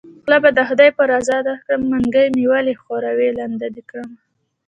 خوله به د خدای په رضا درکړم منګۍ مې ولی ښوروی لنده دې کړمه